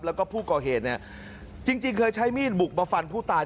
แล้วก็ผู้ก่อเหตุเนี่ยจริงเคยใช้มีดบุกมาฟันผู้ตาย